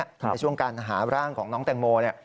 ในช่วงการหาร่างของน้องแตงโมเนี่ย